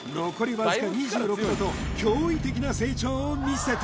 わずか２６打と驚異的な成長を見せた